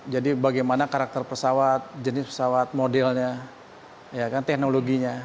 jadi bagaimana karakter pesawat jenis pesawat modelnya teknologinya